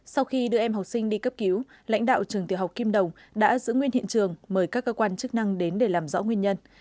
sau khi đưa em học sinh đi cấp cứu lãnh đạo trường tiểu học kim đồng đã giữ nguyên hiện trường mời các cơ quan chức năng đến để làm rõ nguyên nhân